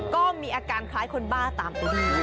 ก็มีอาการคล้ายคนบ้าตามไปด้วย